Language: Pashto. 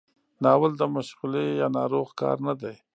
ناول د مشغلې یا ناروغ کار نه دی.